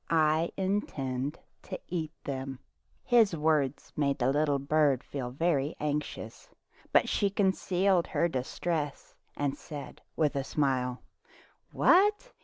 I intend to eat them." His words made the little bird feel very anxious, but she concealed her distress and said with a smile :" What